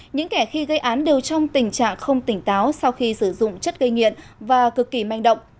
những kẻ khi gây án đều trong tình trạng không tỉnh táo sau khi sử dụng chất gây nghiện và cực kỳ manh động